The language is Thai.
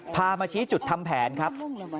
พามาชี้จุดทำแผนครับ